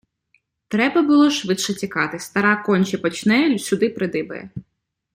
Треба було швидше тікати, - стара конче почне, сюди придибає.